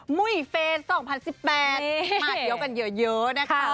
หมุยเฟส๒๐๑๘มาเดี๋ยวกันเยอะนะครับ